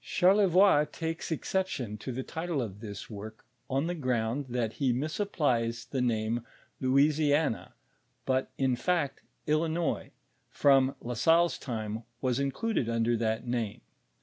Charlevoix takes exception to the title of this work on the ground that he misapplies the name Louisiana, but in fact Illinois, from La Salle's time, wos in cluded under that name.